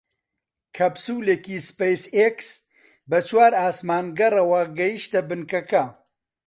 کەپسوولێکی سپەیس ئێکس بە چوار ئاسمانگەڕەوە گەیشتە بنکەکە